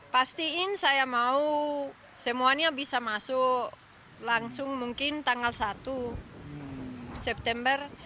pastiin saya mau semuanya bisa masuk langsung mungkin tanggal satu september